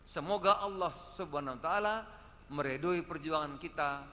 semoga allah swt meredui perjuangan kita